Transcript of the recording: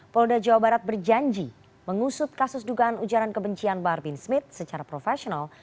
polda jawa barat berjanji mengusut kasus dugaan ujaran kebencian bahar bin smith secara profesional